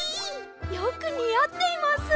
よくにあっています！